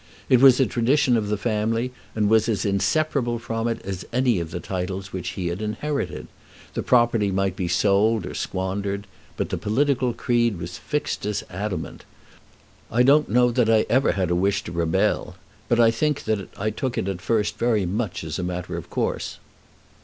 It was a tradition of the family, and was as inseparable from it as any of the titles which he had inherited. The property might be sold or squandered, but the political creed was fixed as adamant. I don't know that I ever had a wish to rebel, but I think that I took it at first very much as a matter of course."